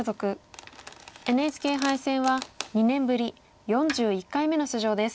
ＮＨＫ杯戦は２年ぶり４１回目の出場です。